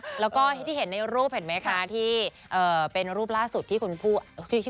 เออนะคะแล้วก็ที่ต้องเห็นในรูปเห็นมั้ยคะที่เอ่อเป็นรูปล่าสุดที่คุณผู้อับนะคะ